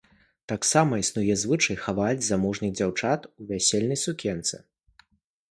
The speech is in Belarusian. Таксама існуе звычай хаваць незамужніх дзяўчат у вясельнай сукенцы.